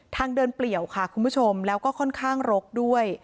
ทางเดินเปลี่ยวค่ะคุณผู้ชมแล้วก็ค่อนข้างรกด้วย